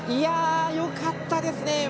よかったですね。